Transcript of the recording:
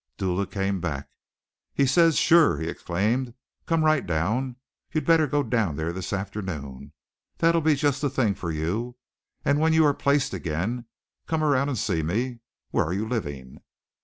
Dula came back. "He says 'Sure,'" he exclaimed. "'Come right down!' You'd better go down there this afternoon. That'll be just the thing for you. And when you are placed again, come around and see me. Where are you living?"